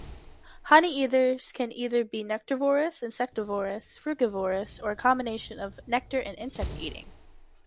Honeyeaters can be either nectarivorous, insectivorous, frugivorous, or a combination of nectar- and insect-eating.